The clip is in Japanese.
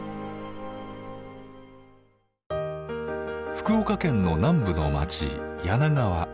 福岡県の南部の街柳川。